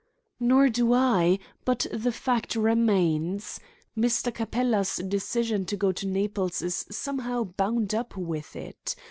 "Nor do I; but the fact remains. Mr. Capella's decision to go to Naples is somehow bound up with it.